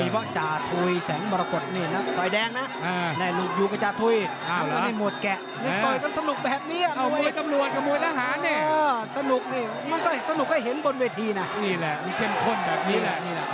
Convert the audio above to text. โดยแบบจาธุยแสงมารกฎเนี่ยเนี่ย